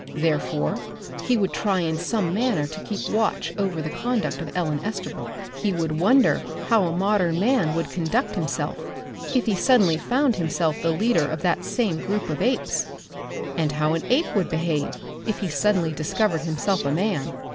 Therefore he would try in some manner to keep watch over the conduct of Ellen Estabrook. He would wonder how a modern man would conduct himself if he suddenly found, himself the leader of that same group of apes, and how an ape would behave if he suddenly discovered himself a man.